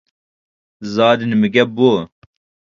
— زادى نېمە گەپ بۇ ؟!